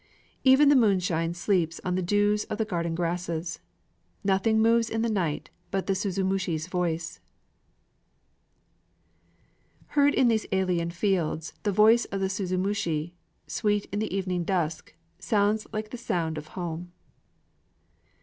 Even the moonshine sleeps on the dews of the garden grasses; Nothing moves in the night but the suzumushi's voice. Heard in these alien fields, the voice of the suzumushi, Sweet in the evening dusk, sounds like the sound of home.